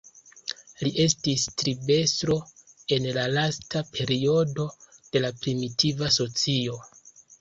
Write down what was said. Li estis tribestro en la lasta periodo de la primitiva socio.